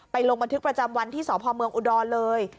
ไปลงบันทึกประจำวันที่สพอุดรเลย